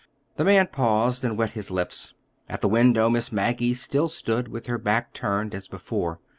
The man paused and wet his lips. At the window Miss Maggie still stood, with her back turned as before.